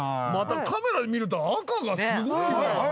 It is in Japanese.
またカメラで見ると赤がすごいな。